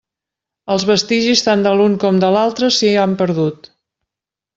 Els vestigis tant de l'un com de l'altre s'hi han perdut.